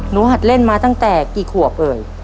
หัดเล่นมาตั้งแต่กี่ขวบเอ่ย